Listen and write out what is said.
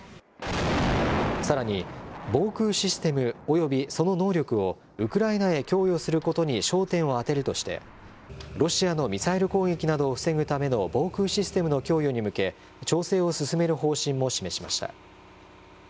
さらに、防空システムおよびその能力をウクライナへ供与することに焦点を当てるとして、ロシアのミサイル攻撃などを防ぐための防空システムの供与に向け、調整を進める方針も示しました。